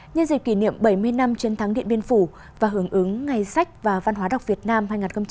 nhân dịp kỷ niệm bảy mươi năm chiến thắng điện biên phủ và hưởng ứng ngày sách và văn hóa đọc việt nam hai nghìn hai mươi bốn